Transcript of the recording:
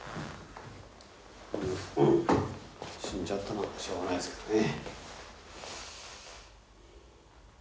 死んじゃったのはしょうがないですけどね。